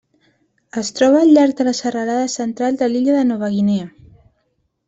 Es troba al llarg de la serralada Central de l'illa de Nova Guinea.